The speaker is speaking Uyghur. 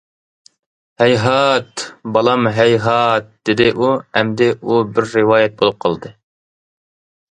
- ھەيھات، بالام، ھەيھات...- دېدى ئۇ،- ئەمدى ئۇ بىر رىۋايەت بولۇپ قالدى.